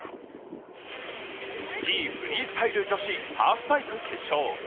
スキーフリースタイル女子ハーフパイプ決勝。